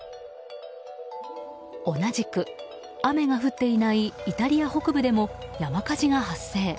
同じく雨が降っていないイタリア北部でも山火事が発生。